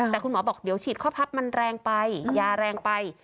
แต่คุณหมอบอกเดี๋ยวฉีดข้อพับมันแรงไปยาแรงไป